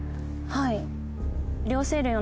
はい。